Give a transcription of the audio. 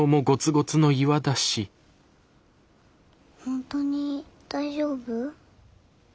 本当に大丈夫？